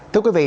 thưa quý vị